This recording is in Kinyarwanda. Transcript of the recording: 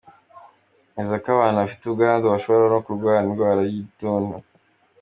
Bivuze ko abantu bafite ubwandu bashobora no kurwara indwara y’igituntu.